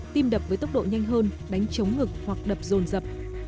tim đập với tốc độ nhanh hơn đánh chống ngực hoặc đập dồn dập